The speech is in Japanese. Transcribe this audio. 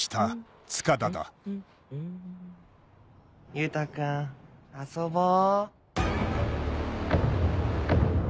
優太君遊ぼう。